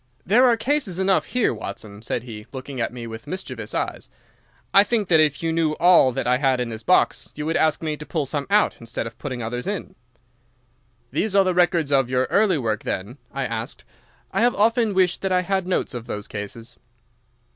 "There are cases enough here, Watson," said he, looking at me with mischievous eyes. "I think that if you knew all that I had in this box you would ask me to pull some out instead of putting others in." "These are the records of your early work, then?" I asked. "I have often wished that I had notes of those cases."